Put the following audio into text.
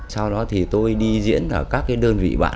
sau đó thì tôi đi diễn ở các cái đơn vị bạn